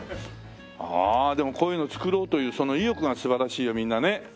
ああでもこういうの作ろうというその意欲が素晴らしいよみんなね。